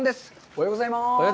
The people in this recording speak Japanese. おはようございます。